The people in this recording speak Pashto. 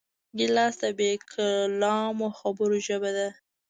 ګیلاس د بېکلامو خبرو ژبه ده.